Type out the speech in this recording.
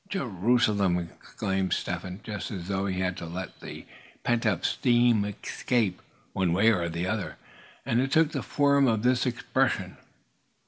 "Jerusalem!" exclaimed Step Hen, just as though he had to let the pent up steam escape, one way or another, and it took the form of this expression.